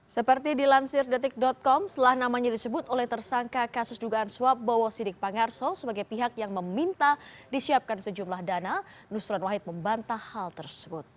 seperti dilansir detik com setelah namanya disebut oleh tersangka kasus dugaan suap bowo sidik pangarso sebagai pihak yang meminta disiapkan sejumlah dana nusron wahid membantah hal tersebut